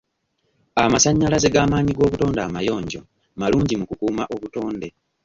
Amasanyalaze g'amaanyi g'obutonde amayonjo malungi mu kukuuma obutonde.